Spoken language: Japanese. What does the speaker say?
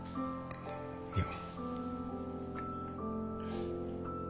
いや。